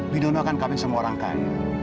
bidono kan kami semua orang kan